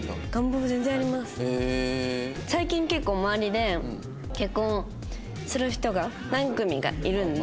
最近結構周りで結婚する人が何組かいるんで。